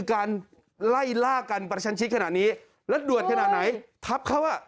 การไล่ล่ากันประชันชิดขนาดนี้แล้วด่วนขนาดไหนทับเขาอ่ะ